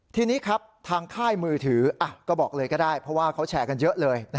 ทีนี้ครับทางค่ายมือถือก็บอกเลยก็ได้เพราะว่าเขาแชร์กันเยอะเลย